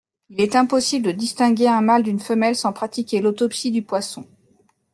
Il est impossible de distinguer un mâle d'une femelle sans pratiquer l'autopsie du poisson.